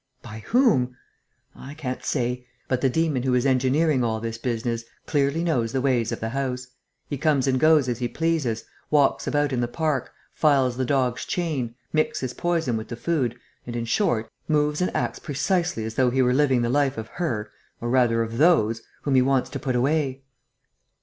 "By whom?" "I can't say. But the demon who is engineering all this business clearly knows the ways of the house. He comes and goes as he pleases, walks about in the park, files the dog's chain, mixes poison with the food and, in short, moves and acts precisely as though he were living the very life of her or rather of those whom he wants to put away."